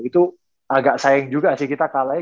itu agak sayang juga sih kita kalahnya